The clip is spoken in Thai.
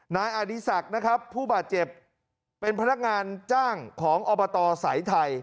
นายอดีศักดิ์นะครับผู้บาดเจ็บเป็นพนักงานจ้างของอบตสายไทย